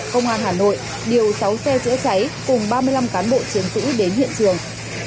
công an hà nội điều sáu xe chữa cháy cùng ba mươi năm cán bộ chiến sĩ đến hiện trường